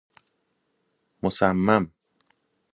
مصمم